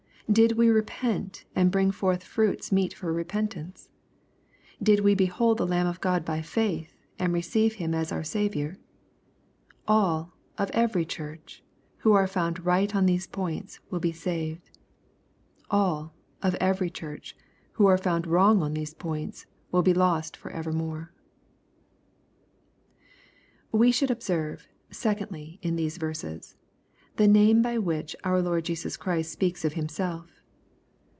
Did we re pent, and bring forth fruits meet for repentance ? Did we behold the Lamb of God by faith, and receive Him as our Saviour ? All, of every church, who are found right on these points, will be saved. All, of every church, who are found wrong on these points, will be lost for evermore. We should observe, secondly, in these verses, the name hy which our Lord Jesus Christ speaks of Himself.